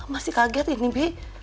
masih kaget ini bi